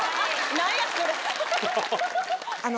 何やそれ。